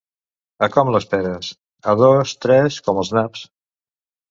A com, les peres? —A dos, tres, com els naps.